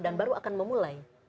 dan baru akan memulai